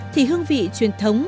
thì hương vị truyền thống